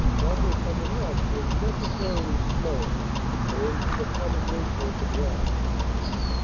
Progress on the left was necessarily slower owing to the flooded nature of the ground.